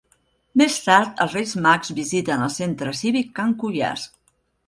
Més tard els Reis Mag visiten el Centre Cívic Can Cuiàs.